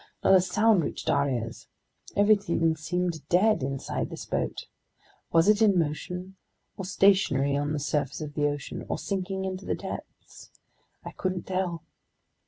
Not a sound reached our ears. Everything seemed dead inside this boat. Was it in motion, or stationary on the surface of the ocean, or sinking into the depths? I couldn't tell.